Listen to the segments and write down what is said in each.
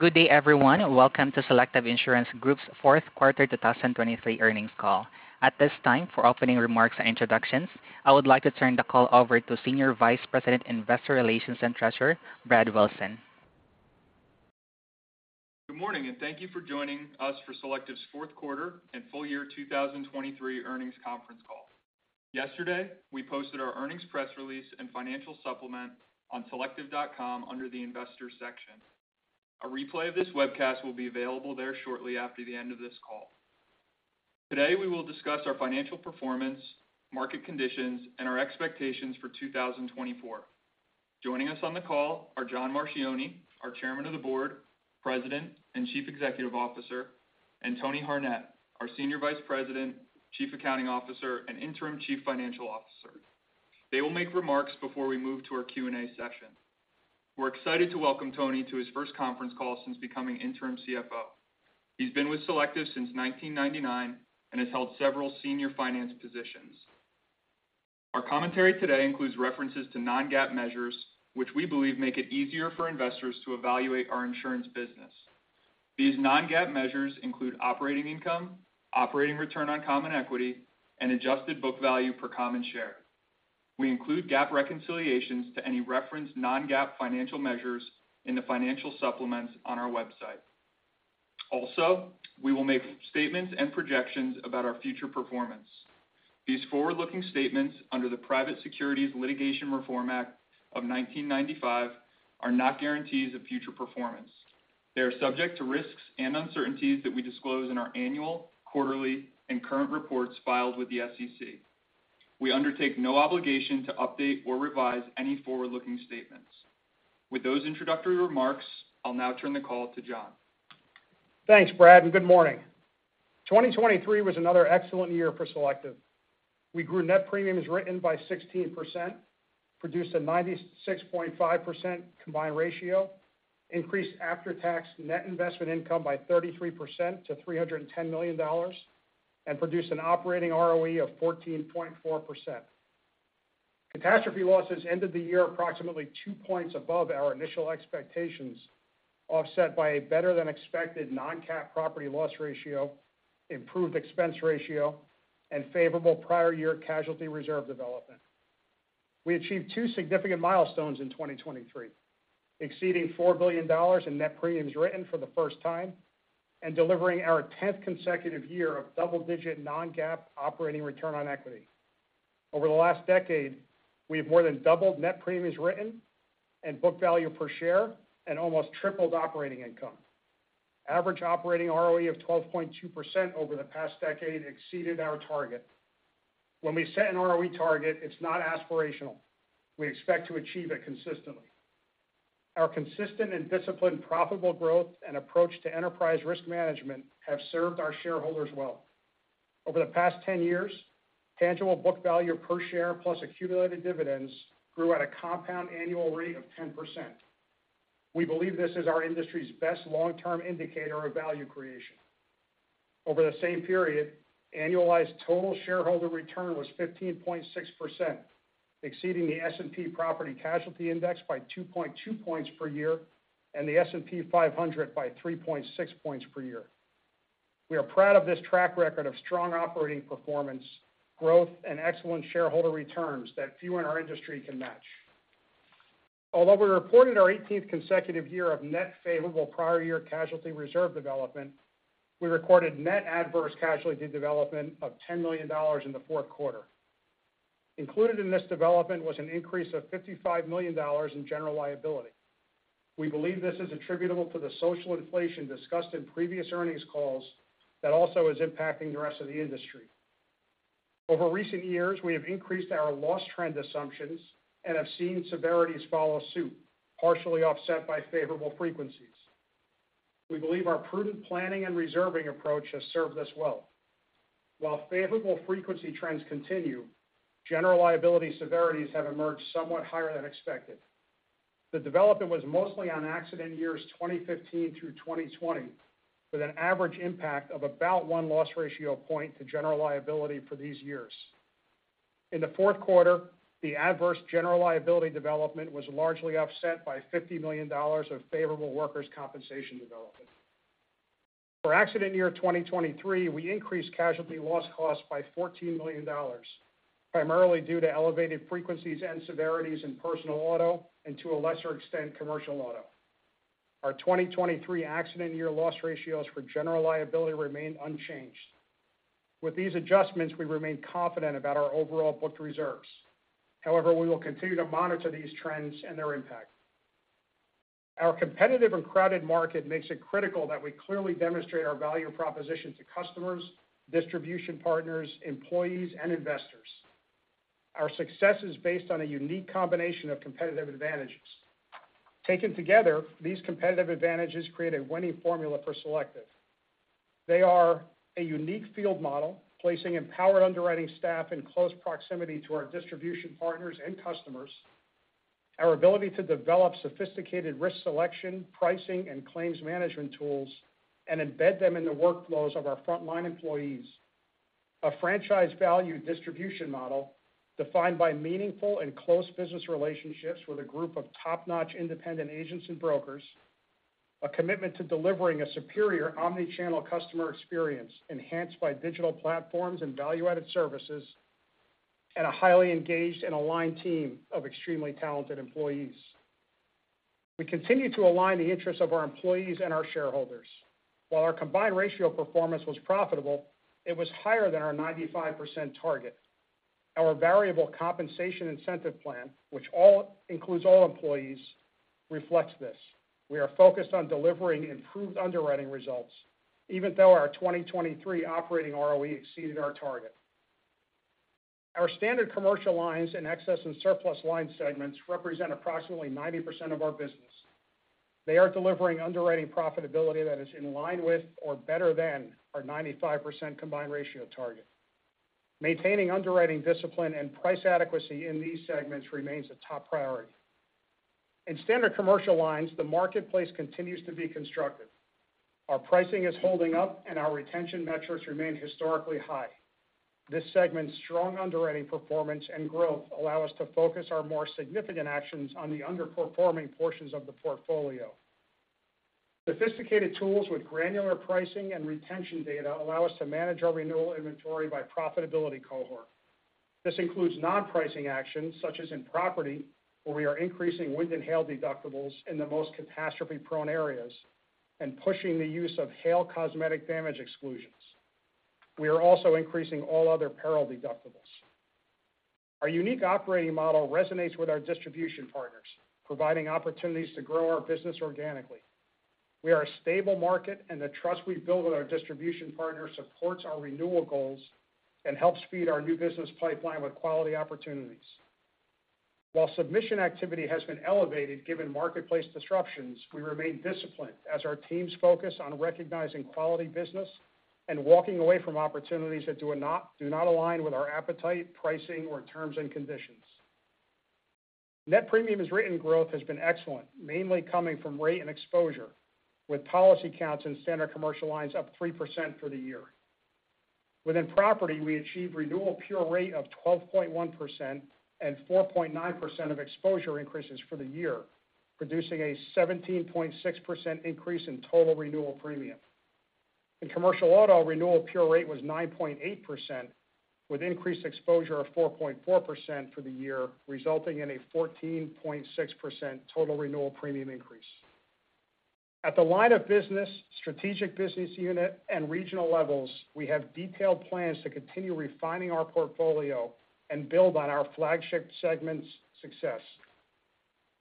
Good day, everyone. Welcome to Selective Insurance Group's fourth quarter 2023 earnings call. At this time, for opening remarks and introductions, I would like to turn the call over to Senior Vice President, Investor Relations and Treasurer, Brad Wilson. Good morning, and thank you for joining us for Selective's fourth quarter and full year 2023 earnings conference call. Yesterday, we posted our earnings press release and financial supplement on selective.com under the Investors section. A replay of this webcast will be available there shortly after the end of this call. Today, we will discuss our financial performance, market conditions, and our expectations for 2024. Joining us on the call are John Marchioni, our Chairman of the Board, President, and Chief Executive Officer, and Tony Harnett, our Senior Vice President, Chief Accounting Officer, and Interim Chief Financial Officer. They will make remarks before we move to our Q&A session. We're excited to welcome Tony to his first conference call since becoming interim CFO. He's been with Selective since 1999 and has held several senior finance positions. Our commentary today includes references to non-GAAP measures, which we believe make it easier for investors to evaluate our insurance business. These non-GAAP measures include operating income, operating return on common equity, and adjusted book value per common share. We include GAAP reconciliations to any referenced non-GAAP financial measures in the financial supplements on our website. Also, we will make statements and projections about our future performance. These forward-looking statements, under the Private Securities Litigation Reform Act of 1995, are not guarantees of future performance. They are subject to risks and uncertainties that we disclose in our annual, quarterly, and current reports filed with the SEC. We undertake no obligation to update or revise any forward-looking statements. With those introductory remarks, I'll now turn the call to John. Thanks, Brad, and good morning. 2023 was another excellent year for Selective. We grew net premiums written by 16%, produced a 96.5% combined ratio, increased after-tax net investment income by 33% to $310 million, and produced an operating ROE of 14.4%. Catastrophe losses ended the year approximately 2 points above our initial expectations, offset by a better-than-expected non-cat property loss ratio, improved expense ratio, and favorable prior year casualty reserve development. We achieved two significant milestones in 2023, exceeding $4 billion in net premiums written for the first time and delivering our 10th consecutive year of double-digit non-GAAP operating return on equity. Over the last decade, we have more than doubled net premiums written and book value per share and almost tripled operating income. Average operating ROE of 12.2% over the past decade exceeded our target. When we set an ROE target, it's not aspirational. We expect to achieve it consistently. Our consistent and disciplined, profitable growth and approach to enterprise risk management have served our shareholders well. Over the past 10 years, tangible book value per share, plus accumulated dividends, grew at a compound annual rate of 10%. We believe this is our industry's best long-term indicator of value creation. Over the same period, annualized total shareholder return was 15.6%, exceeding the S&P Property Casualty Index by 2.2 points per year and the S&P 500 by 3.6 points per year. We are proud of this track record of strong operating performance, growth, and excellent shareholder returns that few in our industry can match. Although we reported our 18th consecutive year of net favorable prior-year casualty reserve development, we recorded net adverse casualty development of $10 million in the fourth quarter. Included in this development was an increase of $55 million in General Liability. We believe this is attributable to the social inflation discussed in previous earnings calls that also is impacting the rest of the industry. Over recent years, we have increased our loss trend assumptions and have seen severities follow suit, partially offset by favorable frequencies. We believe our prudent planning and reserving approach has served us well. While favorable frequency trends continue, General Liability severities have emerged somewhat higher than expected. The development was mostly on accident years 2015 through 2020, with an average impact of about one loss ratio point to General Liability for these years. In the fourth quarter, the adverse General Liability development was largely offset by $50 million of favorable workers' compensation development. For accident year 2023, we increased casualty loss costs by $14 million, primarily due to elevated frequencies and severities in personal auto and, to a lesser extent, commercial auto. Our 2023 accident year loss ratios for General Liability remained unchanged. With these adjustments, we remain confident about our overall booked reserves. However, we will continue to monitor these trends and their impact. Our competitive and crowded market makes it critical that we clearly demonstrate our value proposition to customers, distribution partners, employees, and investors. Our success is based on a unique combination of competitive advantages. Taken together, these competitive advantages create a winning formula for Selective. They are a unique field model, placing empowered underwriting staff in close proximity to our distribution partners and customers, our ability to develop sophisticated risk selection, pricing, and claims management tools and embed them in the workflows of our frontline employees, a franchise value distribution model defined by meaningful and close business relationships with a group of top-notch independent agents and brokers, a commitment to delivering a superior omni-channel customer experience enhanced by digital platforms and value-added services, and a highly engaged and aligned team of extremely talented employees. We continue to align the interests of our employees and our shareholders. While our combined ratio performance was profitable, it was higher than our 95% target. Our variable compensation incentive plan, which includes all employees, reflects this. We are focused on delivering improved underwriting results, even though our 2023 operating ROE exceeded our target. Our Standard Commercial Lines and Excess and Surplus Lines segments represent approximately 90% of our business. They are delivering underwriting profitability that is in line with or better than our 95% combined ratio target. Maintaining underwriting discipline and price adequacy in these segments remains a top priority. In Standard Commercial Lines, the marketplace continues to be constructive. Our pricing is holding up, and our retention metrics remain historically high. This segment's strong underwriting performance and growth allow us to focus our more significant actions on the underperforming portions of the portfolio. Sophisticated tools with granular pricing and retention data allow us to manage our renewal inventory by profitability cohort. This includes non-pricing actions, such as in property, where we are increasing wind and hail deductibles in the most catastrophe-prone areas and pushing the use of hail cosmetic damage exclusions. We are also increasing all other peril deductibles. Our unique operating model resonates with our distribution partners, providing opportunities to grow our business organically. We are a stable market, and the trust we build with our distribution partners supports our renewal goals and helps feed our new business pipeline with quality opportunities. While submission activity has been elevated, given marketplace disruptions, we remain disciplined as our teams focus on recognizing quality business and walking away from opportunities that do not align with our appetite, pricing, or terms and conditions. Net premiums written growth has been excellent, mainly coming from rate and exposure, with policy counts in Standard Commercial Lines up 3% for the year. Within property, we achieved renewal pure rate of 12.1% and 4.9% of exposure increases for the year, producing a 17.6% increase in total renewal premium. In commercial auto, renewal pure rate was 9.8%, with increased exposure of 4.4% for the year, resulting in a 14.6% total renewal premium increase. At the line of business, strategic business unit, and regional levels, we have detailed plans to continue refining our portfolio and build on our flagship segment's success.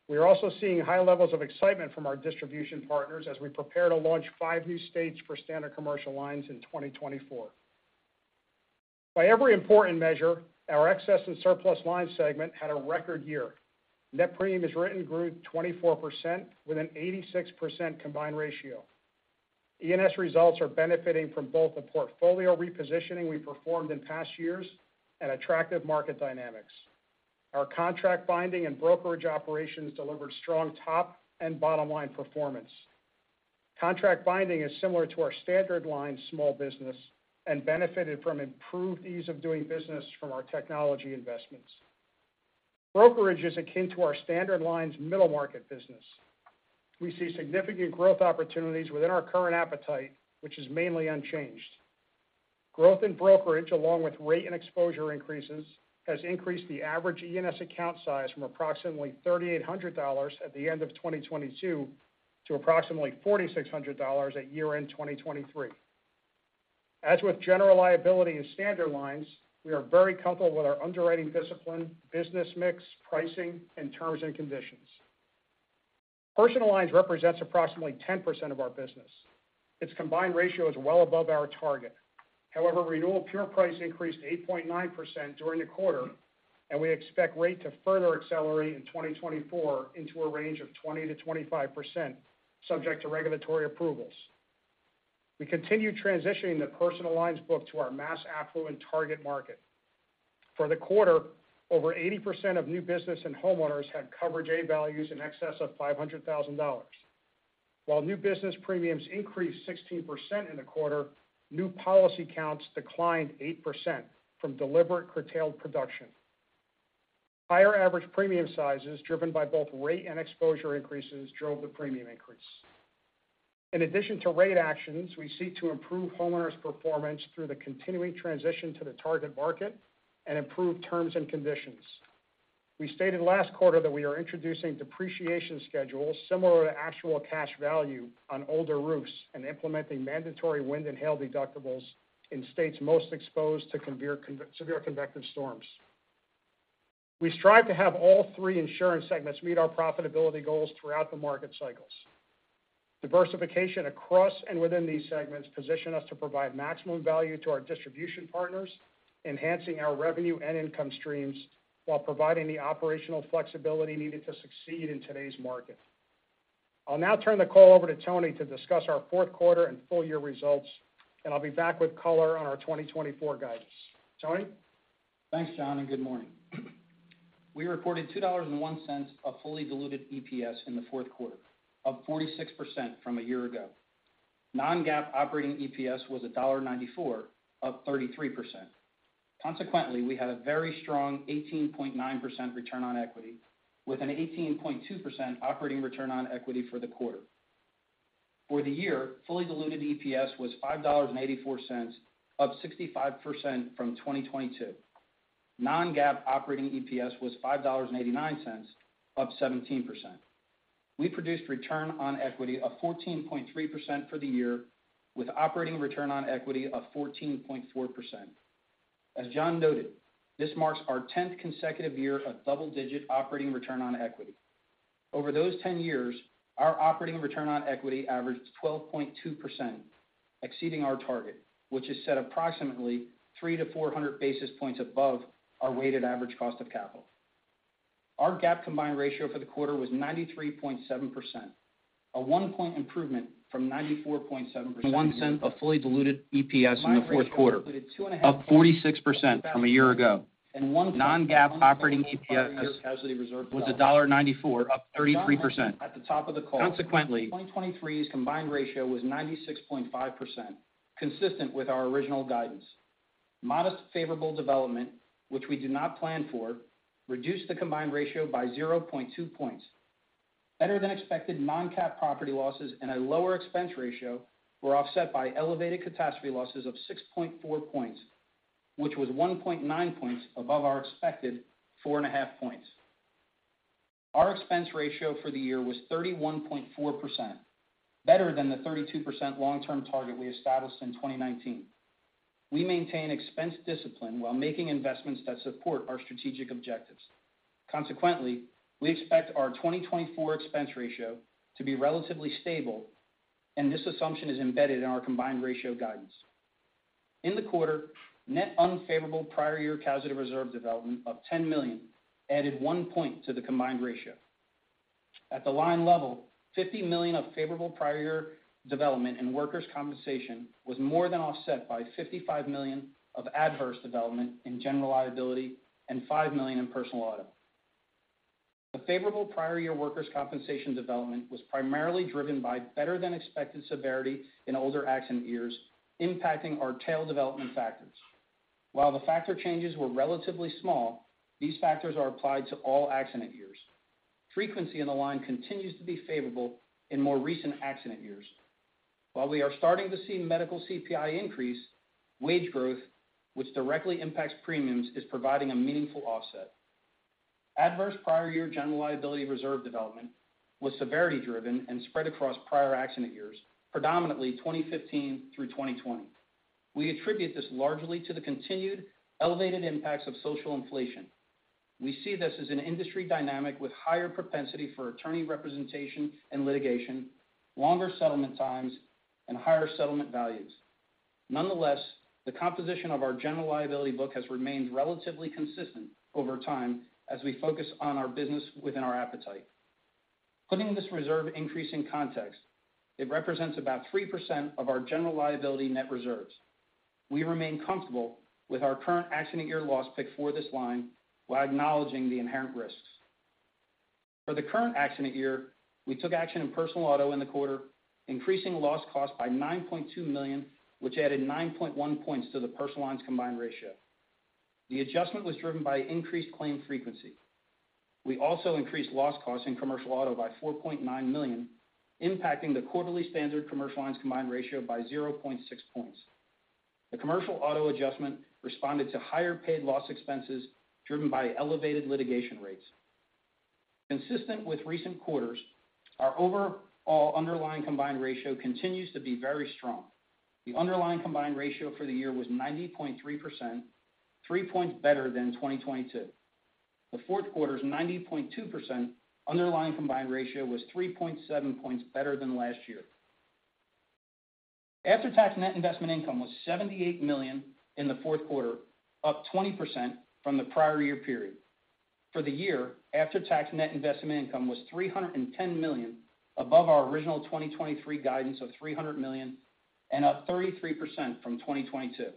We are also seeing high levels of excitement from our distribution partners as we prepare to launch 5 new states for Standard Commercial Lines in 2024. By every important measure, our Excess and Surplus Lines segment had a record year. Net premiums written grew 24% with an 86% combined ratio. E&S results are benefiting from both the portfolio repositioning we performed in past years and attractive market dynamics. Our contract binding and brokerage operations delivered strong top and bottom-line performance. Contract binding is similar to our Standard Lines small business and benefited from improved ease of doing business from our technology investments. Brokerage is akin to our Standard Lines middle market business. We see significant growth opportunities within our current appetite, which is mainly unchanged. Growth in brokerage, along with rate and exposure increases, has increased the average E&S account size from approximately $3,800 at the end of 2022 to approximately $4,600 at year-end 2023. As with General Liability and Standard Lines, we are very comfortable with our underwriting discipline, business mix, pricing, and terms and conditions. Personal Lines represents approximately 10% of our business. Its combined ratio is well above our target. However, renewal pure price increased 8.9% during the quarter, and we expect rate to further accelerate in 2024 into a range of 20%-25%, subject to regulatory approvals. We continue transitioning the Personal Lines book to our mass affluent target market. For the quarter, over 80% of new business and homeowners had Coverage A values in excess of $500,000. While new business premiums increased 16% in the quarter, new policy counts declined 8% from deliberate curtailed production. Higher average premium sizes, driven by both rate and exposure increases, drove the premium increase. In addition to rate actions, we seek to improve homeowners' performance through the continuing transition to the target market and improve terms and conditions. We stated last quarter that we are introducing depreciation schedules similar to actual cash value on older roofs and implementing mandatory wind and hail deductibles in states most exposed to severe convective storms. We strive to have all three insurance segments meet our profitability goals throughout the market cycles. Diversification across and within these segments position us to provide maximum value to our distribution partners, enhancing our revenue and income streams while providing the operational flexibility needed to succeed in today's market. I'll now turn the call over to Tony to discuss our fourth quarter and full-year results, and I'll be back with color on our 2024 guidance. Tony? Thanks, John, and good morning. We reported $2.01 of fully diluted EPS in the fourth quarter, up 46% from a year ago. Non-GAAP operating EPS was $1.94, up 33%. Consequently, we had a very strong 18.9% return on equity, with an 18.2% operating return on equity for the quarter. For the year, fully diluted EPS was $5.84, up 65% from 2022. Non-GAAP operating EPS was $5.89, up 17%. We produced return on equity of 14.3% for the year, with operating return on equity of 14.4%. As John noted, this marks our 10th consecutive year of double-digit operating return on equity. Over those 10 years, our operating return on equity averaged 12.2%, exceeding our target, which is set approximately 300-400 basis points above our weighted average cost of capital. Our GAAP combined ratio for the quarter was 93.7%, a 1-point improvement from 94.7% [inaudible] of fully diluted EPS in the fourth quarter, up 46% from a year ago. Non-GAAP operating EPS was $1.94, up 33%. Consequently, at the top of the call, 2023's combined ratio was 96.5%, consistent with our original guidance. Modest, favorable development, which we did not plan for, reduced the combined ratio by 0.2 points. Better than expected non-cat property losses and a lower expense ratio were offset by elevated catastrophe losses of 6.4 points, which was 1.9 points above our expected 4.5 points. Our expense ratio for the year was 31.4%, better than the 32% long-term target we established in 2019. We maintain expense discipline while making investments that support our strategic objectives. Consequently, we expect our 2024 expense ratio to be relatively stable, and this assumption is embedded in our combined ratio guidance. In the quarter, net unfavorable prior year casualty reserve development of $10 million added one point to the combined ratio. At the line level, $50 million of favorable prior year development in workers' compensation was more than offset by $55 million of adverse development in General Liability and $5 million in personal auto. The favorable prior year workers' compensation development was primarily driven by better than expected severity in older accident years, impacting our tail development factors. While the factor changes were relatively small, these factors are applied to all accident years. Frequency in the line continues to be favorable in more recent accident years. While we are starting to see medical CPI increase, wage growth, which directly impacts premiums, is providing a meaningful offset. Adverse prior year General Liability reserve development was severity-driven and spread across prior accident years, predominantly 2015 through 2020. We attribute this largely to the continued elevated impacts of social inflation. We see this as an industry dynamic with higher propensity for attorney representation and litigation, longer settlement times, and higher settlement values. Nonetheless, the composition of our General Liability book has remained relatively consistent over time as we focus on our business within our appetite. Putting this reserve increase in context, it represents about 3% of our General Liability net reserves. We remain comfortable with our current accident year loss pick for this line, while acknowledging the inherent risks. For the current accident year, we took action in personal auto in the quarter, increasing loss cost by $9.2 million, which added 9.1 points to the Personal Lines combined ratio. The adjustment was driven by increased claim frequency. We also increased loss costs in commercial auto by $4.9 million, impacting the quarterly Standard Commercial Lines combined ratio by 0.6 points. The commercial auto adjustment responded to higher paid loss expenses driven by elevated litigation rates. Consistent with recent quarters, our overall underlying combined ratio continues to be very strong. The underlying combined ratio for the year was 90.3%, 3 points better than 2022. The fourth quarter's 90.2% underlying combined ratio was 3.7 points better than last year. After-tax net investment income was $78 million in the fourth quarter, up 20% from the prior year period. For the year, after-tax net investment income was $310 million, above our original 2023 guidance of $300 million and up 33% from 2022.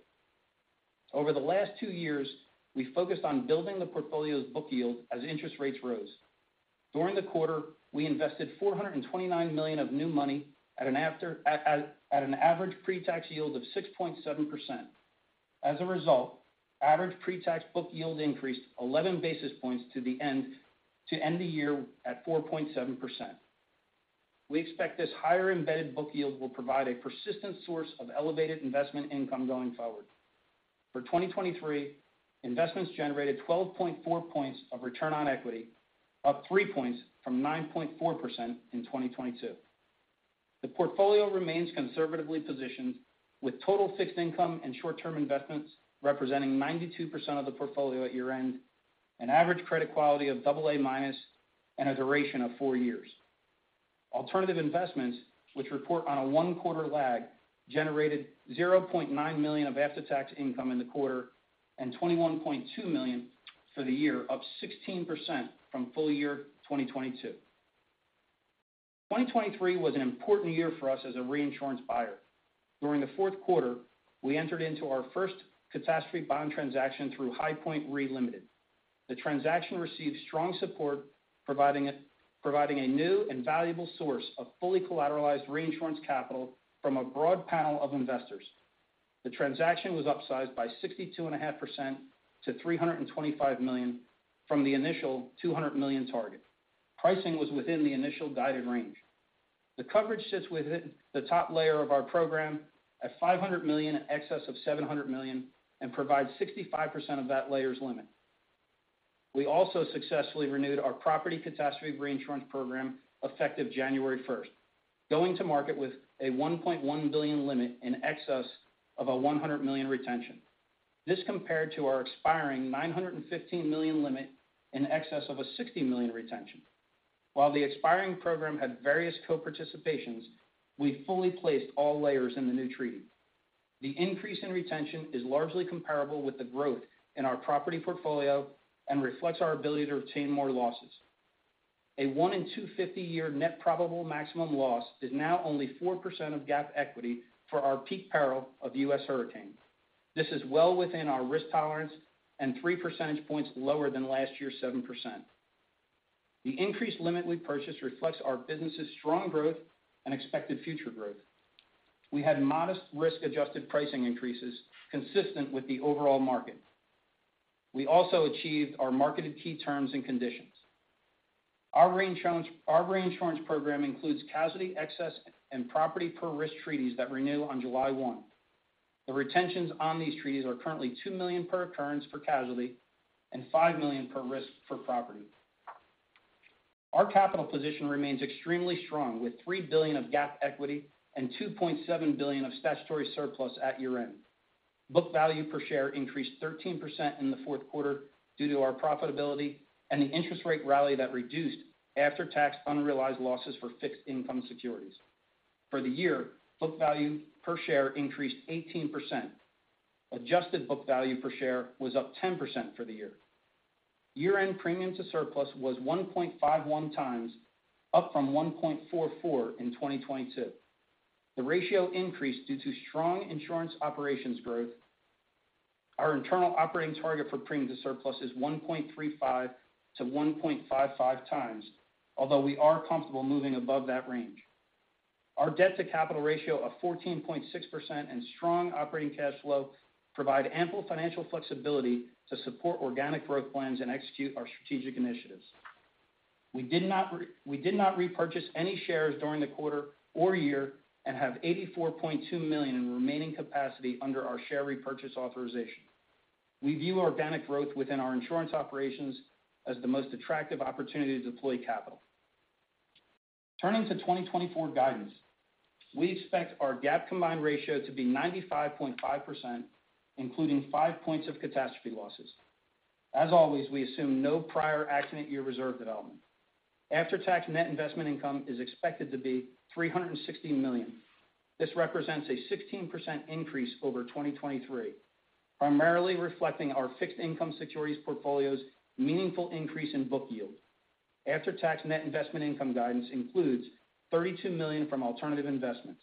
Over the last two years, we focused on building the portfolio's book yield as interest rates rose. During the quarter, we invested $429 million of new money at an average pre-tax yield of 6.7%. As a result, average pre-tax book yield increased 11 basis points to end the year at 4.7%. We expect this higher embedded book yield will provide a persistent source of elevated investment income going forward. For 2023, investments generated 12.4 points of return on equity, up 3 points from 9.4% in 2022. The portfolio remains conservatively positioned, with total fixed income and short-term investments representing 92% of the portfolio at year-end, an average credit quality of AA-, and a duration of 4 years. Alternative investments, which report on a one-quarter lag, generated $0.9 million of after-tax income in the quarter and $21.2 million for the year, up 16% from full year 2022. 2023 was an important year for us as a reinsurance buyer. During the fourth quarter, we entered into our first catastrophe bond transaction through High Point Re Ltd. The transaction received strong support, providing a new and valuable source of fully collateralized reinsurance capital from a broad panel of investors. The transaction was upsized by 62.5% to $325 million from the initial $200 million target. Pricing was within the initial guided range. The coverage sits within the top layer of our program at $500 million in excess of $700 million and provides 65% of that layer's limit. We also successfully renewed our property catastrophe reinsurance program effective January 1st, going to market with a $1.1 billion limit in excess of a $100 million retention. This compared to our expiring $915 million limit in excess of a $60 million retention. While the expiring program had various co-participations, we fully placed all layers in the new treaty. The increase in retention is largely comparable with the growth in our property portfolio and reflects our ability to retain more losses. A 1 in 250-year net probable maximum loss is now only 4% of GAAP equity for our peak peril of U.S. hurricane. This is well within our risk tolerance and three percentage points lower than last year's 7%. The increased limit we purchased reflects our business's strong growth and expected future growth. We had modest risk-adjusted pricing increases consistent with the overall market. We also achieved our marketed key terms and conditions. Our reinsurance program includes casualty, excess, and property per risk treaties that renew on July 1. The retentions on these treaties are currently $2 million per occurrence for casualty and $5 million per risk for property. Our capital position remains extremely strong, with $3 billion of GAAP equity and $2.7 billion of statutory surplus at year-end. Book value per share increased 13% in the fourth quarter due to our profitability and the interest rate rally that reduced after-tax unrealized losses for fixed income securities. For the year, book value per share increased 18%. Adjusted book value per share was up 10% for the year. Year-end premium to surplus was 1.51 times, up from 1.44 in 2022. The ratio increased due to strong insurance operations growth. Our internal operating target for premium to surplus is 1.35-1.55 times, although we are comfortable moving above that range. Our debt-to-capital ratio of 14.6% and strong operating cash flow provide ample financial flexibility to support organic growth plans and execute our strategic initiatives. We did not repurchase any shares during the quarter or year and have $84.2 million in remaining capacity under our share repurchase authorization. We view organic growth within our insurance operations as the most attractive opportunity to deploy capital. Turning to 2024 guidance, we expect our GAAP combined ratio to be 95.5%, including 5 points of catastrophe losses. As always, we assume no prior accident year reserve development. After-tax net investment income is expected to be $316 million. This represents a 16% increase over 2023, primarily reflecting our fixed income securities portfolio's meaningful increase in book yield. After-tax net investment income guidance includes $32 million from alternative investments.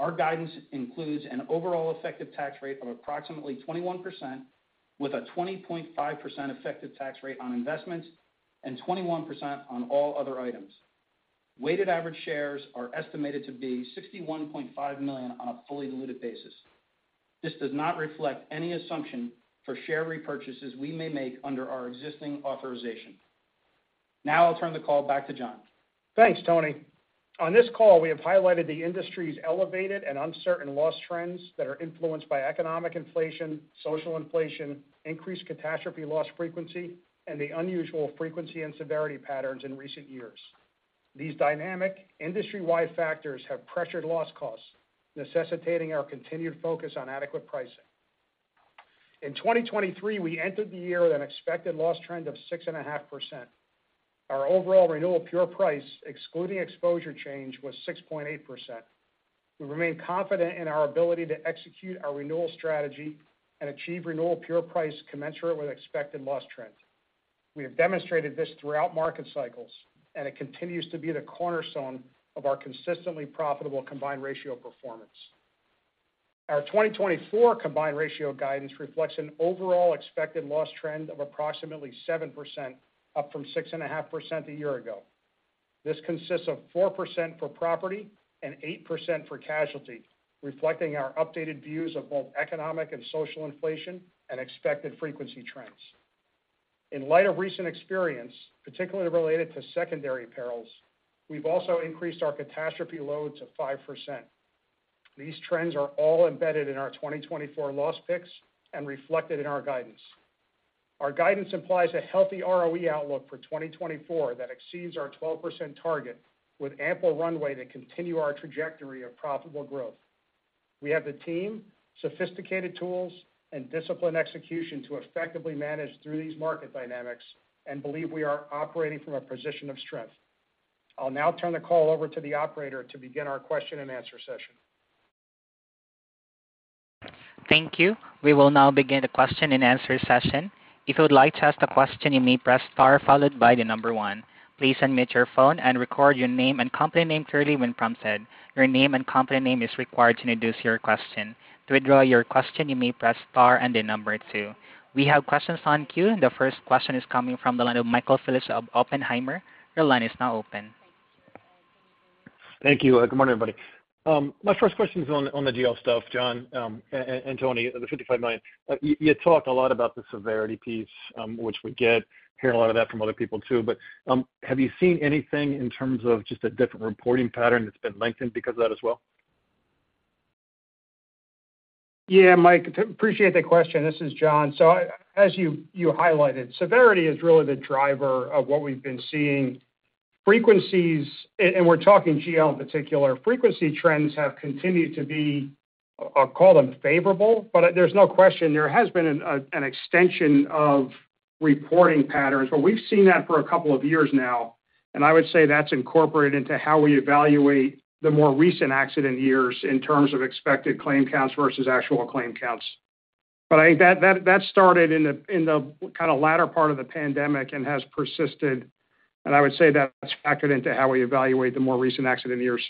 Our guidance includes an overall effective tax rate of approximately 21%, with a 20.5% effective tax rate on investments and 21% on all other items. Weighted average shares are estimated to be 61.5 million on a fully diluted basis. This does not reflect any assumption for share repurchases we may make under our existing authorization. Now I'll turn the call back to John. Thanks, Tony. On this call, we have highlighted the industry's elevated and uncertain loss trends that are influenced by economic inflation, social inflation, increased catastrophe loss frequency, and the unusual frequency and severity patterns in recent years. These dynamic, industry-wide factors have pressured loss costs, necessitating our continued focus on adequate pricing. In 2023, we entered the year with an expected loss trend of 6.5%. Our overall renewal pure price, excluding exposure change, was 6.8%. We remain confident in our ability to execute our renewal strategy and achieve renewal pure price commensurate with expected loss trends. We have demonstrated this throughout market cycles, and it continues to be the cornerstone of our consistently profitable combined ratio performance. Our 2024 combined ratio guidance reflects an overall expected loss trend of approximately 7%, up from 6.5% a year ago. This consists of 4% for property and 8% for casualty, reflecting our updated views of both economic and social inflation and expected frequency trends. In light of recent experience, particularly related to secondary perils, we've also increased our catastrophe load to 5%. These trends are all embedded in our 2024 loss picks and reflected in our guidance. Our guidance implies a healthy ROE outlook for 2024 that exceeds our 12% target, with ample runway to continue our trajectory of profitable growth. We have the team, sophisticated tools, and disciplined execution to effectively manage through these market dynamics and believe we are operating from a position of strength. I'll now turn the call over to the operator to begin our question and answer session. Thank you. We will now begin the question-and-answer session. If you would like to ask a question, you may press star followed by the number one. Please unmute your phone and record your name and company name clearly when prompted. Your name and company name is required to introduce your question. To withdraw your question, you may press star and the number two. We have questions on queue. The first question is coming from the line of Michael Phillips of Oppenheimer. Your line is now open. Thank you. Good morning, everybody. My first question is on the GL stuff, John, and Tony, the $55 million. You talked a lot about the severity piece, which we hear a lot of that from other people, too. But, have you seen anything in terms of just a different reporting pattern that's been lengthened because of that as well? Yeah, Mike, appreciate the question. This is John. So as you highlighted, severity is really the driver of what we've been seeing. Frequencies, and we're talking GL in particular, frequency trends have continued to be, I'll call them favorable, but there's no question there has been an extension of reporting patterns. But we've seen that for a couple of years now, and I would say that's incorporated into how we evaluate the more recent accident years in terms of expected claim counts versus actual claim counts. But I think that started in the kind of latter part of the pandemic and has persisted, and I would say that's factored into how we evaluate the more recent accident years.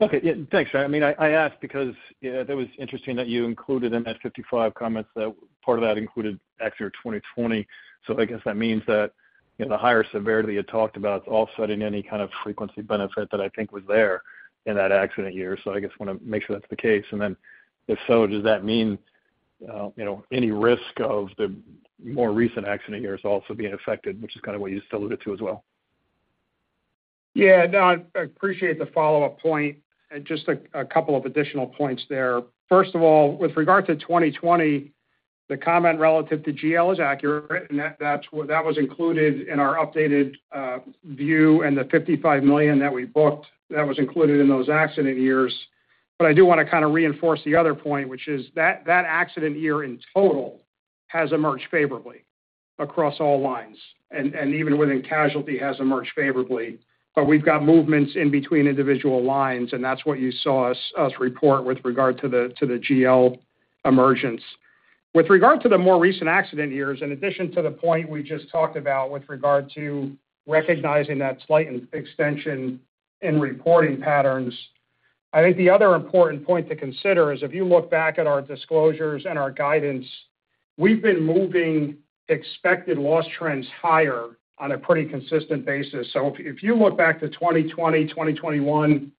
Okay, yeah. Thanks. I mean, I asked because, yeah, that was interesting that you included in that 55 comments, that part of that included accident year 2020. So I guess that means that, you know, the higher severity you talked about is offsetting any kind of frequency benefit that I think was there in that accident year. So I guess want to make sure that's the case. And then if so, does that mean, you know, any risk of the more recent accident years also being affected, which is kind of what you alluded to as well? Yeah, no, I appreciate the follow-up point, and just a couple of additional points there. First of all, with regard to 2020, the comment relative to GL is accurate, and that's that was included in our updated view and the $55 million that we booked, that was included in those accident years. But I do want to kind of reinforce the other point, which is that that accident year in total has emerged favorably across all lines, and even within casualty, has emerged favorably. But we've got movements in between individual lines, and that's what you saw us report with regard to to the GL emergence. With regard to the more recent accident years, in addition to the point we just talked about with regard to recognizing that slight extension in reporting patterns, I think the other important point to consider is if you look back at our disclosures and our guidance, we've been moving expected loss trends higher on a pretty consistent basis. So if you look back to 2020, 2021,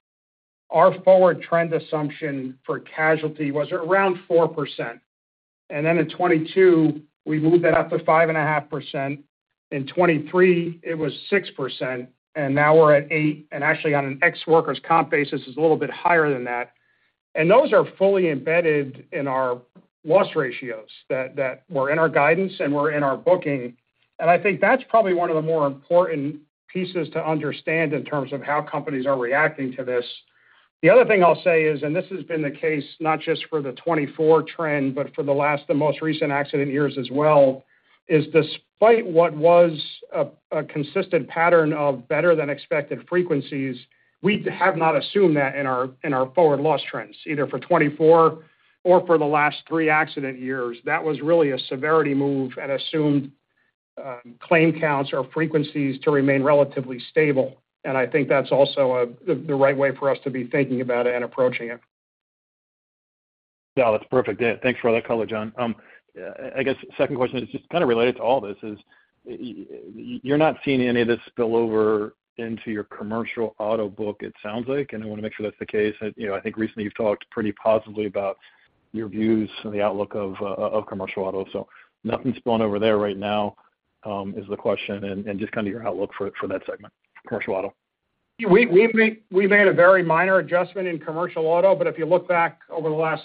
our forward trend assumption for casualty was around 4%. And then in 2022, we moved that up to 5.5%. In 2023, it was 6%, and now we're at 8%, and actually on an ex-workers' comp basis, it's a little bit higher than that. And those are fully embedded in our loss ratios, that, that were in our guidance and were in our booking. I think that's probably one of the more important pieces to understand in terms of how companies are reacting to this. The other thing I'll say is, and this has been the case not just for the 2024 trend, but for the most recent accident years as well, is despite what was a consistent pattern of better-than-expected frequencies, we have not assumed that in our forward loss trends, either for 2024 or for the last three accident years. That was really a severity move and assumed claim counts or frequencies to remain relatively stable. I think that's also the right way for us to be thinking about it and approaching it. Yeah, that's perfect. Yeah, thanks for all that color, John. I guess second question is just kind of related to all this, is you're not seeing any of this spill over into your commercial auto book, it sounds like, and I want to make sure that's the case. You know, I think recently you've talked pretty positively about your views on the outlook of commercial auto. So nothing's going over there right now is the question, and just kind of your outlook for that segment, commercial auto. We've made a very minor adjustment in commercial auto, but if you look back over the last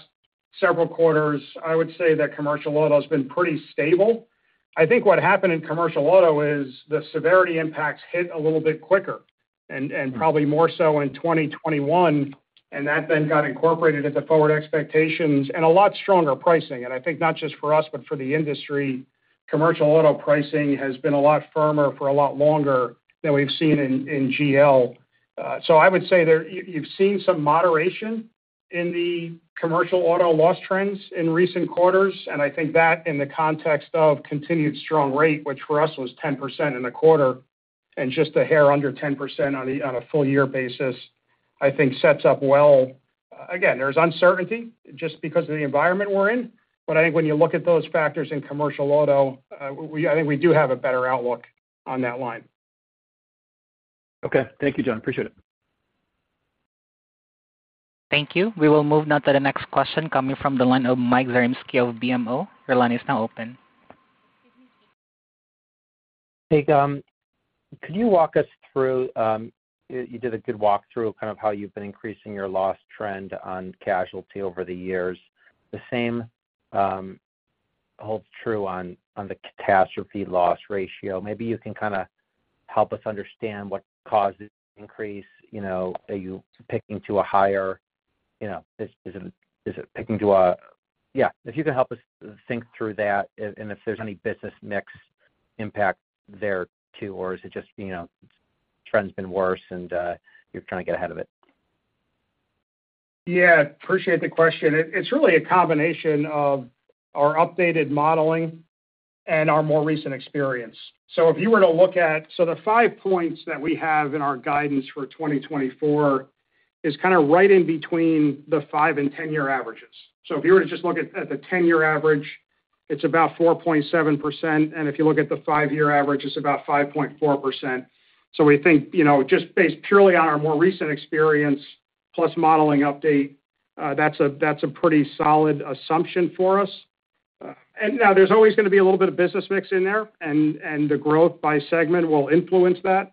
several quarters, I would say that commercial auto has been pretty stable. I think what happened in commercial auto is the severity impacts hit a little bit quicker and probably more so in 2021, and that then got incorporated at the forward expectations and a lot stronger pricing. And I think not just for us, but for the industry, commercial auto pricing has been a lot firmer for a lot longer than we've seen in GL. I would say there, you've seen some moderation in the commercial auto loss trends in recent quarters, and I think that in the context of continued strong rate, which for us was 10% in the quarter and just a hair under 10% on a full year basis, I think sets up well. Again, there's uncertainty just because of the environment we're in, but I think when you look at those factors in commercial auto, I think we do have a better outlook on that line. Okay. Thank you, John. Appreciate it. Thank you. We will move now to the next question coming from the line of Mike Zaremski of BMO. Your line is now open. Hey, could you walk us through... You did a good walkthrough of kind of how you've been increasing your loss trend on casualty over the years. The same holds true on, on the catastrophe loss ratio. Maybe you can kind of help us understand what causes the increase. You know, are you picking to a higher, you know, is it picking to a-- Yeah, if you can help us think through that and if there's any business mix impact there too, or is it just, you know?... trend's been worse, and you're trying to get ahead of it? Yeah, appreciate the question. It's really a combination of our updated modeling and our more recent experience. So the 5 points that we have in our guidance for 2024 is kind of right in between the 5- and 10-year averages. So if you were to just look at the 10-year average, it's about 4.7%, and if you look at the 5-year average, it's about 5.4%. So we think, you know, just based purely on our more recent experience plus modeling update, that's a pretty solid assumption for us. And now there's always gonna be a little bit of business mix in there, and the growth by segment will influence that.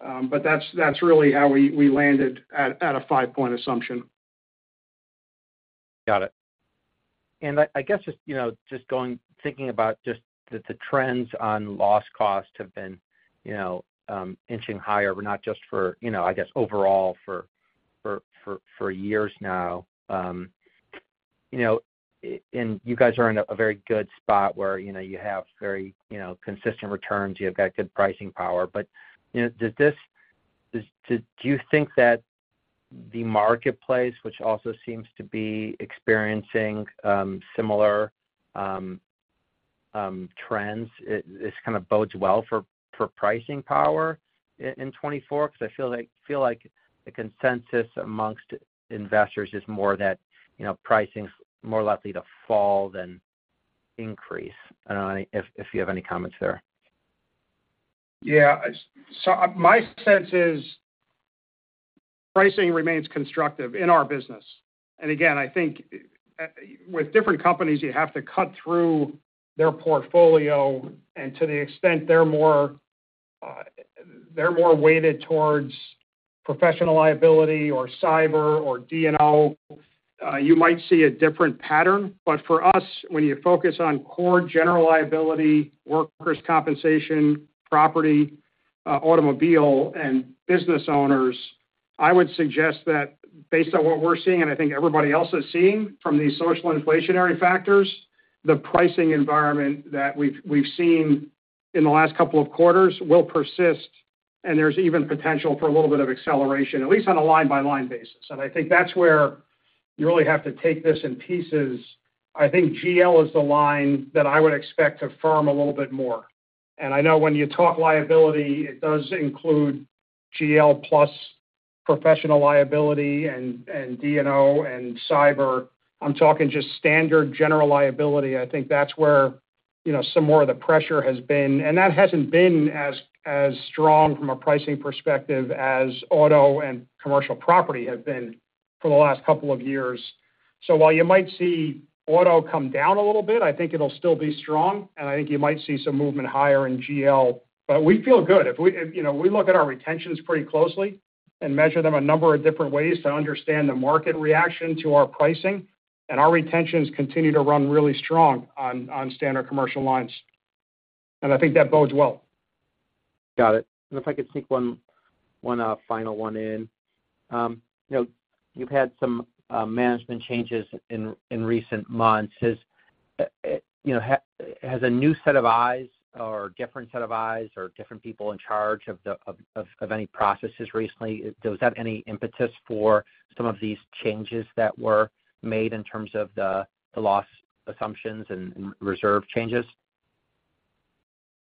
But that's really how we landed at a 5-point assumption. Got it. And I guess, just you know, just going thinking about just the trends on loss costs have been, you know, inching higher, but not just for, you know, I guess, overall for years now. You know, and you guys are in a very good spot where, you know, you have very consistent returns, you have got good pricing power. But, you know, do you think that the marketplace, which also seems to be experiencing similar trends, this kind of bodes well for pricing power in 2024? 'Cause I feel like the consensus amongst investors is more that, you know, pricing's more likely to fall than increase. I don't know if you have any comments there. Yeah, so my sense is, pricing remains constructive in our business. And again, I think, with different companies, you have to cut through their portfolio, and to the extent they're more, they're more weighted towards professional liability or cyber or D&O, you might see a different pattern. But for us, when you focus on core General Liability, workers' compensation, property, automobile, and business owners, I would suggest that based on what we're seeing, and I think everybody else is seeing from these social inflationary factors, the pricing environment that we've seen in the last couple of quarters will persist, and there's even potential for a little bit of acceleration, at least on a line-by-line basis. And I think that's where you really have to take this in pieces. I think GL is the line that I would expect to firm a little bit more. And I know when you talk liability, it does include GL plus professional liability and, and D&O and cyber. I'm talking just standard General Liability. I think that's where, you know, some more of the pressure has been, and that hasn't been as, as strong from a pricing perspective as auto and commercial property have been for the last couple of years. So while you might see auto come down a little bit, I think it'll still be strong, and I think you might see some movement higher in GL. But we feel good. If we, if, you know, we look at our retentions pretty closely and measure them a number of different ways to understand the market reaction to our pricing, and our retentions continue to run really strong on, on standard commercial lines. And I think that bodes well. Got it. And if I could sneak one final one in. You know, you've had some management changes in recent months. Has a new set of eyes or different set of eyes or different people in charge of any processes recently does have any impetus for some of these changes that were made in terms of the loss assumptions and reserve changes?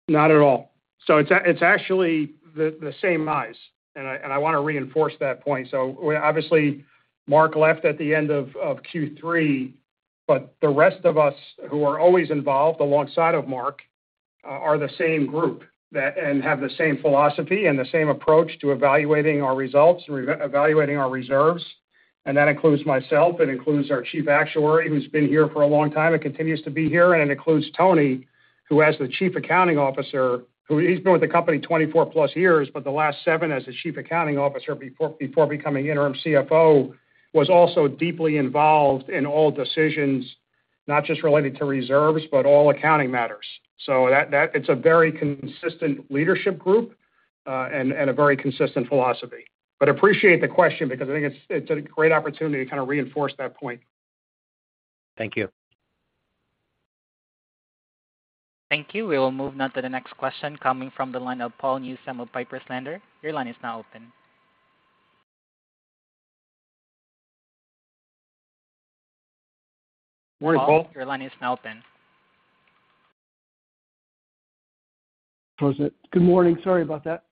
Not at all. So it's actually the same eyes, and I want to reinforce that point. So we obviously, Mark left at the end of Q3, but the rest of us who are always involved alongside of Mark are the same group that... And have the same philosophy and the same approach to evaluating our results, evaluating our reserves, and that includes myself. It includes our Chief Actuary, who's been here for a long time and continues to be here. And it includes Tony, who, as the Chief Accounting Officer, who's been with the company 24+ years, but the last 7 as the Chief Accounting Officer before becoming Interim CFO, was also deeply involved in all decisions, not just related to reserves, but all accounting matters. It's a very consistent leadership group, a very consistent philosophy. But appreciate the question because I think it's a great opportunity to kind of reinforce that point. Thank you. Thank you. We will move now to the next question coming from the line of Paul Newsome of Piper Sandler. Your line is now open. Morning, Paul. Your line is now open. Present. Good morning. Sorry about that.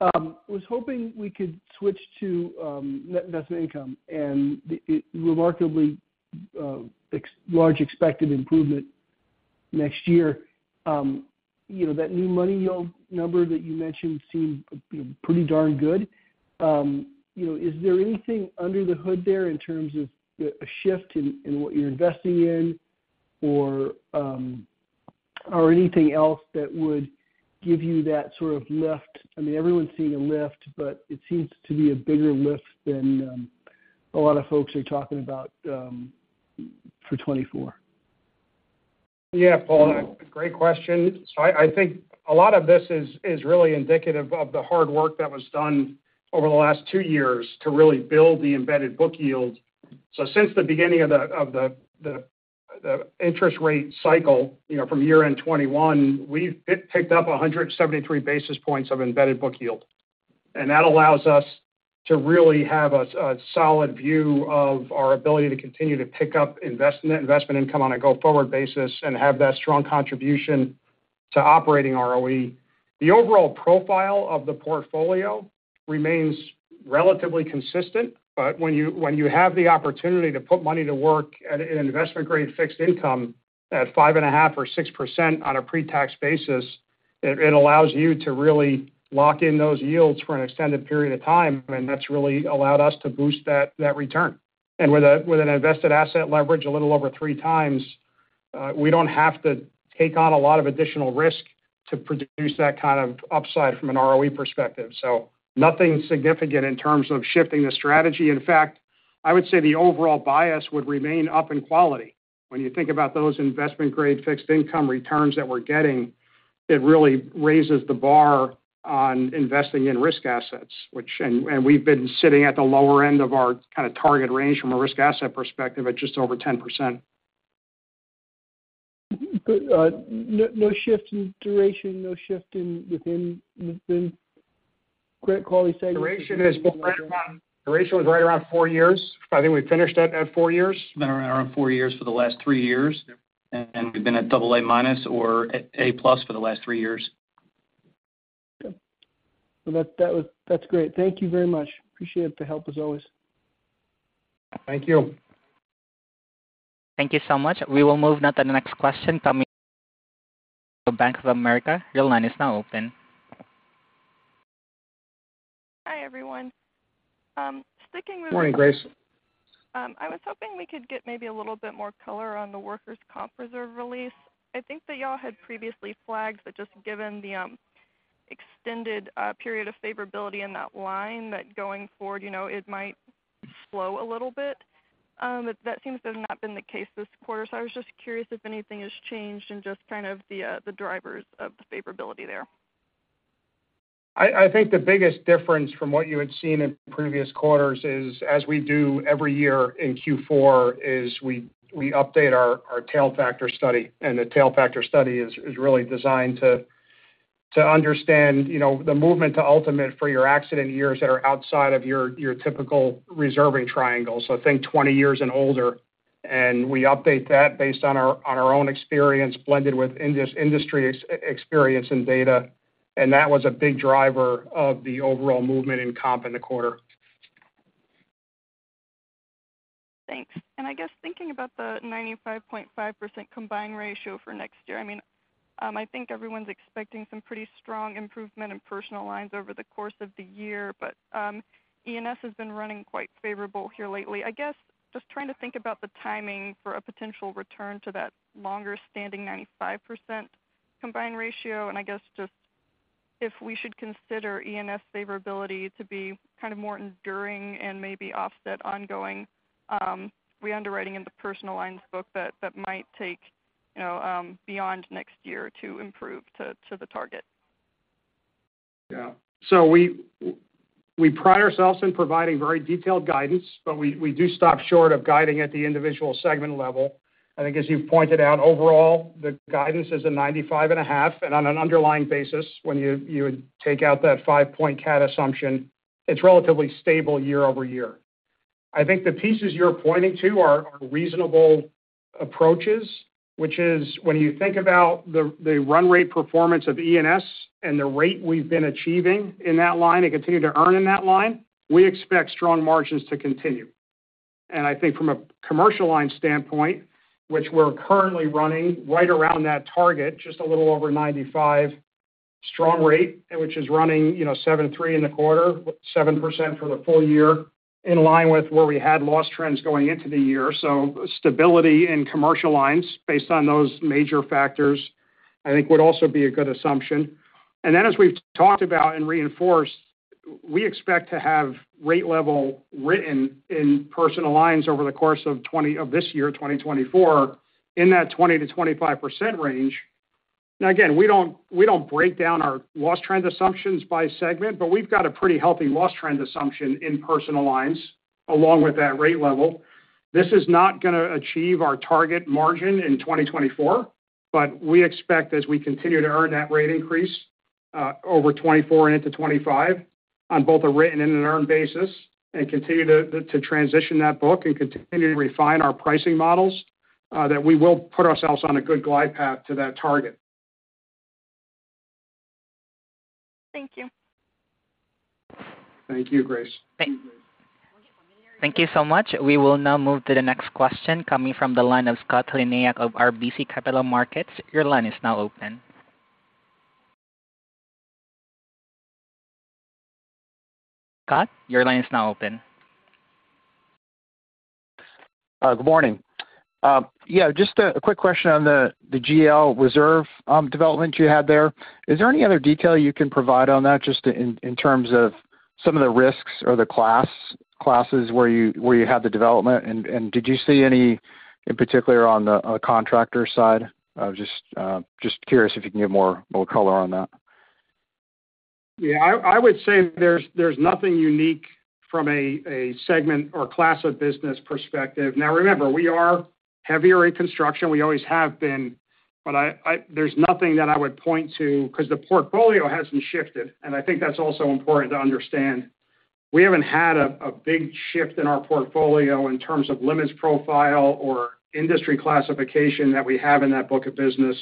I was hoping we could switch to net investment income and the remarkably extra-large expected improvement next year. You know, that new money yield number that you mentioned seemed pretty darn good. You know, is there anything under the hood there in terms of a shift in what you're investing in or anything else that would give you that sort of lift? I mean, everyone's seeing a lift, but it seems to be a bigger lift than a lot of folks are talking about for 2024. Yeah, Paul, great question. So I think a lot of this is really indicative of the hard work that was done over the last two years to really build the embedded book yield. So since the beginning of the interest rate cycle, you know, from year-end 2021, we've picked up 173 basis points of embedded book yield. And that allows us to really have a solid view of our ability to continue to pick up investment income on a go-forward basis and have that strong contribution to operating ROE. The overall profile of the portfolio remains relatively consistent, but when you have the opportunity to put money to work at an investment-grade fixed income at 5.5%-6% on a pretax basis, it allows you to really lock in those yields for an extended period of time, and that's really allowed us to boost that return. And with an invested asset leverage a little over 3x, we don't have to take on a lot of additional risk to produce that kind of upside from an ROE perspective. So nothing significant in terms of shifting the strategy. In fact, I would say the overall bias would remain up in quality. When you think about those investment-grade fixed income returns that we're getting, it really raises the bar on investing in risk assets, which, and, and we've been sitting at the lower end of our kind of target range from a risk asset perspective at just over 10%. Good. No, no shift in duration, no shift in within credit quality segment? Duration was right around four years. I think we finished at four years. Been around four years for the last three years, and we've been at double-A minus or at A+ for the last three years. Okay. Well, that was, that's great. Thank you very much. Appreciate the help, as always. Thank you. Thank you so much. We will move now to the next question coming from Bank of America. Your line is now open. Hi, everyone. Sticking with- Morning, Grace. I was hoping we could get maybe a little bit more color on the workers' comp reserve release. I think that y'all had previously flagged, but just given the extended period of favorability in that line, that going forward, you know, it might slow a little bit. But that seems to have not been the case this quarter. So I was just curious if anything has changed and just kind of the drivers of the favorability there. I think the biggest difference from what you had seen in previous quarters is, as we do every year in Q4, we update our tail factor study. The tail factor study is really designed to understand, you know, the movement to ultimate for your accident years that are outside of your typical reserving triangle. So think 20 years and older, and we update that based on our own experience, blended with industry experience and data, and that was a big driver of the overall movement in comp in the quarter. Thanks. And I guess thinking about the 95.5% combined ratio for next year, I mean, I think everyone's expecting some pretty strong improvement in personal lines over the course of the year, but, E&S has been running quite favorable here lately. I guess, just trying to think about the timing for a potential return to that longer-standing 95% combined ratio, and I guess just if we should consider E&S favorability to be kind of more enduring and maybe offset ongoing, reunderwriting in the personal lines book that, that might take, you know, beyond next year to improve to, to the target. Yeah. So we pride ourselves in providing very detailed guidance, but we do stop short of guiding at the individual segment level. I think as you've pointed out, overall, the guidance is a 95.5, and on an underlying basis, when you take out that 5-point cat assumption, it's relatively stable year-over-year. I think the pieces you're pointing to are reasonable approaches, which is when you think about the run rate performance of E&S and the rate we've been achieving in that line and continue to earn in that line, we expect strong margins to continue. And I think from a commercial line standpoint, which we're currently running right around that target, just a little over 95, strong rate, which is running, you know, 7.3 in the quarter, 7% for the full year, in line with where we had loss trends going into the year. So stability in commercial lines based on those major factors, I think would also be a good assumption. And then, as we've talked about and reinforced, we expect to have rate level written in personal lines over the course of twenty-- of this year, 2024, in that 20%-25% range. Now, again, we don't, we don't break down our loss trend assumptions by segment, but we've got a pretty healthy loss trend assumption in personal lines, along with that rate level. This is not going to achieve our target margin in 2024, but we expect as we continue to earn that rate increase over 2024 and into 2025, on both a written and an earned basis, and continue to transition that book and continue to refine our pricing models, that we will put ourselves on a good glide path to that target. Thank you. Thank you, Grace. Thank you so much. We will now move to the next question, coming from the line of Scott Heleniak of RBC Capital Markets. Your line is now open. Scott, your line is now open. Good morning. Yeah, just a quick question on the GL reserve development you had there. Is there any other detail you can provide on that, just in terms of some of the risks or the classes where you had the development? And did you see any in particular on the contractor side? I was just curious if you can give more color on that. Yeah, I would say there's nothing unique from a segment or class of business perspective. Now, remember, we are heavier in construction. We always have been, but there's nothing that I would point to, 'cause the portfolio hasn't shifted, and I think that's also important to understand. We haven't had a big shift in our portfolio in terms of limits profile or industry classification that we have in that book of business,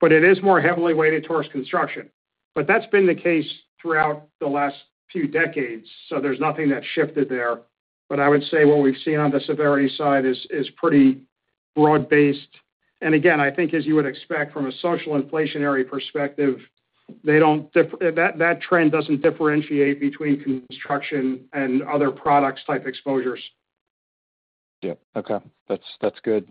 but it is more heavily weighted towards construction. But that's been the case throughout the last few decades, so there's nothing that shifted there. But I would say what we've seen on the severity side is pretty broad-based. And again, I think as you would expect from a social inflationary perspective, they don't-- that trend doesn't differentiate between construction and other products type exposures. Yeah. Okay. That's good.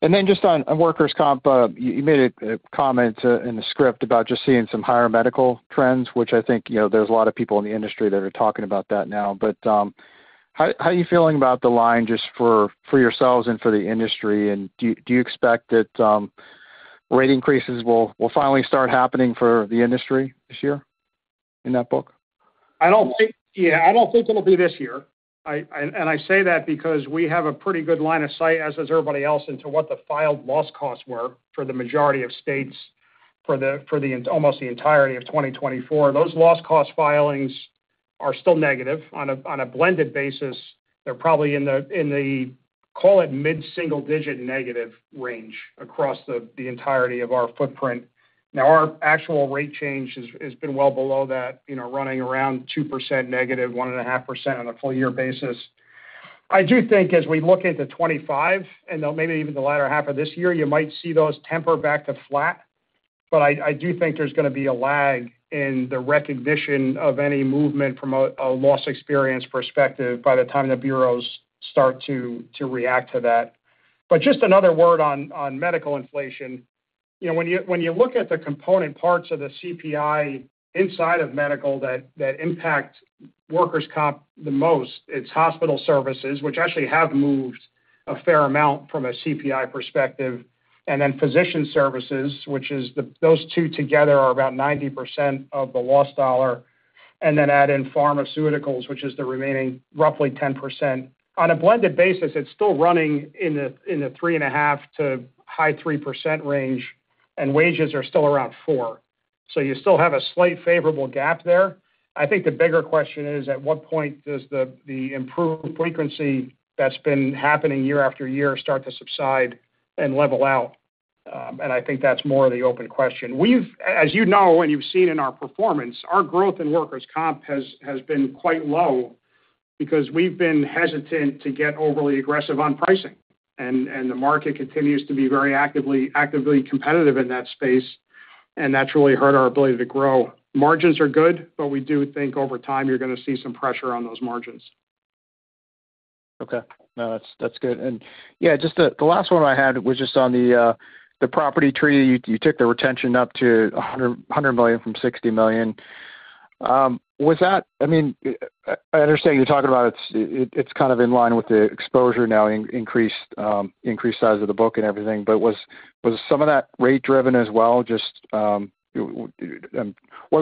And then just on workers' comp, you made a comment in the script about just seeing some higher medical trends, which I think, you know, there's a lot of people in the industry that are talking about that now. But, how are you feeling about the line just for yourselves and for the industry? And do you expect that rate increases will finally start happening for the industry this year in that book? I don't think it'll be this year. I say that because we have a pretty good line of sight, as does everybody else, into what the filed loss costs were for the majority of states for the almost the entirety of 2024. Those loss cost filings are still negative. On a blended basis, they're probably in the call it mid-single-digit negative range across the entirety of our footprint. Now, our actual rate change has been well below that, you know, running around 2% negative, 1.5% on a full year basis. I do think as we look into 2025, and though maybe even the latter half of this year, you might see those temper back to flat. But I do think there's gonna be a lag in the recognition of any movement from a loss experience perspective by the time the bureaus start to react to that. But just another word on medical inflation. You know, when you look at the component parts of the CPI inside of medical that impact workers' comp the most, it's hospital services, which actually have moved a fair amount from a CPI perspective, and then physician services, which is the, those two together are about 90% of the loss dollar, and then add in pharmaceuticals, which is the remaining roughly 10%. On a blended basis, it's still running in the 3.5% to high 3% range, and wages are still around 4%. So you still have a slight favorable gap there. I think the bigger question is, at what point does the improved frequency that's been happening year after year start to subside and level out? I think that's more of the open question. We've, as you know, and you've seen in our performance, our growth in workers' comp has been quite low because we've been hesitant to get overly aggressive on pricing, and the market continues to be very actively competitive in that space, and that's really hurt our ability to grow. Margins are good, but we do think over time, you're gonna see some pressure on those margins. Okay. No, that's, that's good. And yeah, just the, the last one I had was just on the, the property treaty. You, you took the retention up to $100 million from $60 million. Was that, I mean, I, I understand you're talking about it's, it, it's kind of in line with the exposure now, increased, increased size of the book and everything, but was, was some of that rate driven as well? Just, what,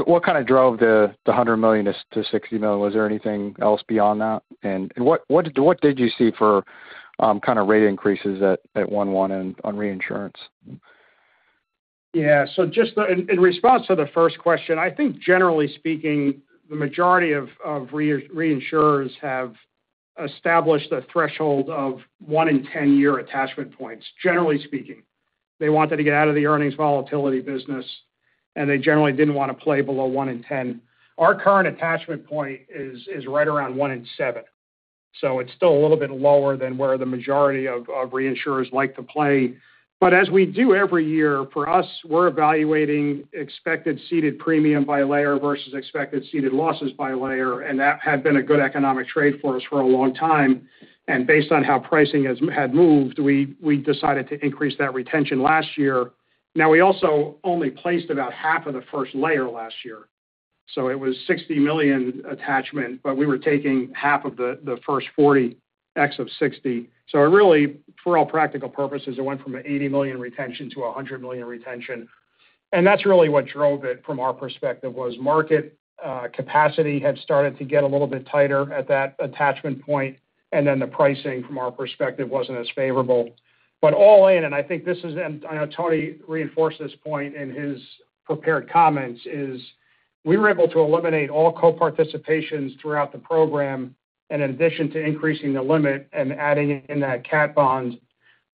what kind of drove the, the $100 million to, to $60 million? Was there anything else beyond that? And, and what, what did, what did you see for, kind of rate increases at, at 1/1 and on reinsurance? Yeah. So in response to the first question, I think generally speaking, the majority of reinsurers have established a threshold of 1-in-10-year attachment points, generally speaking. They wanted to get out of the earnings volatility business, and they generally didn't want to play below 1 in 10. Our current attachment point is right around 1 in 7, so it's still a little bit lower than where the majority of reinsurers like to play. But as we do every year, for us, we're evaluating expected ceded premium by layer versus expected ceded losses by layer, and that had been a good economic trade for us for a long time, and based on how pricing had moved, we decided to increase that retention last year. Now, we also only placed about half of the first layer last year, so it was $60 million attachment, but we were taking half of the first $40 million excess of $60 million. So it really, for all practical purposes, it went from an $80 million retention to a $100 million retention, and that's really what drove it from our perspective, was market capacity had started to get a little bit tighter at that attachment point, and then the pricing from our perspective wasn't as favorable. But all in, and I think this is, and I know Tony reinforced this point in his prepared comments, is we were able to eliminate all co-participations throughout the program, and in addition to increasing the limit and adding in that cat bond,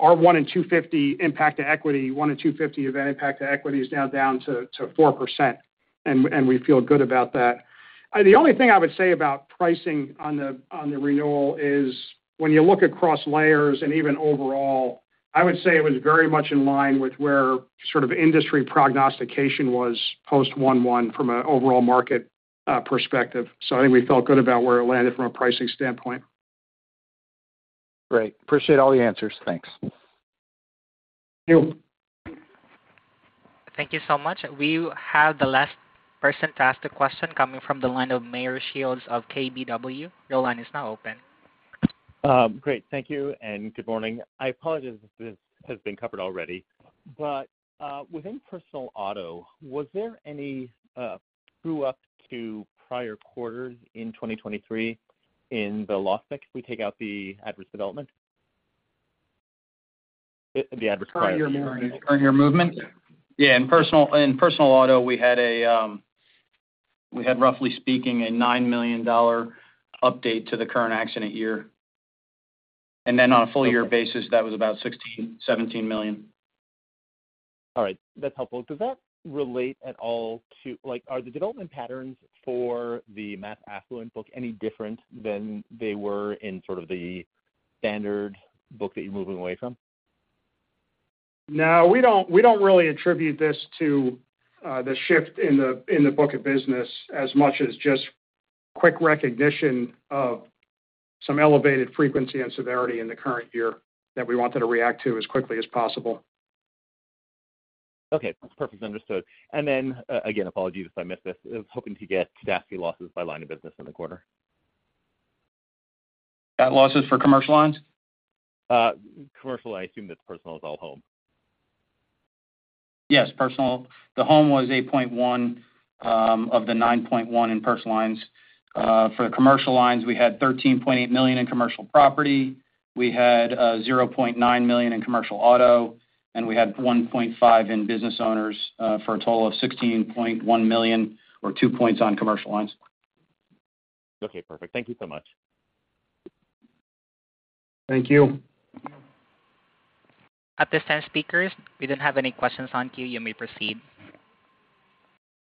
our 1 in 250 impact to equity, 1 in 250 event impact to equity is now down to, to 4%, and, and we feel good about that. The only thing I would say about pricing on the, on the renewal is when you look across layers and even overall, I would say it was very much in line with where sort of industry prognostication was post 1/1 from an overall market perspective. So I think we felt good about where it landed from a pricing standpoint. Great. Appreciate all the answers. Thanks. Thank you. Thank you so much. We have the last person to ask the question coming from the line of Meyer Shields of KBW. Your line is now open. Great. Thank you, and good morning. I apologize if this has been covered already, but within personal auto, was there any true up to prior quarters in 2023 in the loss pick if we take out the adverse development? The adverse- Current year movement? Current year movement. Yeah. In personal, in personal auto, we had, roughly speaking, a $9 million update to the current accident year. And then on a full year basis, that was about $16-$17 million. All right. That's helpful. Does that relate at all to, like, are the development patterns for the mass affluent book any different than they were in sort of the standard book that you're moving away from? No, we don't, we don't really attribute this to the shift in the book of business, as much as just quick recognition of some elevated frequency and severity in the current year that we wanted to react to as quickly as possible. Okay, that's perfectly understood. And then, again, apologies if I missed this. I was hoping to get stat losses by line of business in the quarter. What losses for commercial lines? Commercial. I assume that personal is all home. Yes, personal. The home was $8.1 million of the $9.1 million in Personal Lines. For the commercial lines, we had $13.8 million in Commercial Property. We had $0.9 million in commercial auto, and we had $1.5 million in Businessowners, for a total of $16.1 million, or 2 points on Commercial Lines. Okay, perfect. Thank you so much. Thank you. At this time, speakers, we don't have any questions in queue. You may proceed.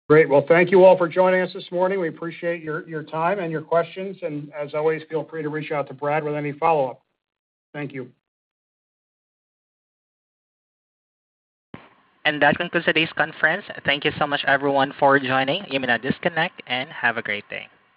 Great. Well, thank you all for joining us this morning. We appreciate your, your time and your questions, and as always, feel free to reach out to Brad with any follow-up. Thank you. That concludes today's conference. Thank you so much, everyone, for joining. You may now disconnect and have a great day.